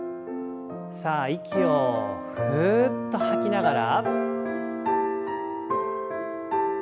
さあ息をふっと吐きながら。